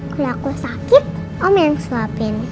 kalau aku sakit om yang suapin